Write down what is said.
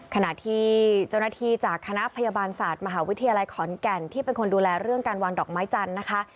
ขณะที่เจ้าหน้าที่จากคณะพยาบาลศาสตร์มหาวิทยาลัยขอนแก่นที่เป็นคนดูแลเรื่องการวางดอกไม้จันทร์นะคะ